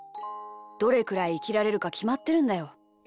どれくらいいきられるかきまってるんだよ。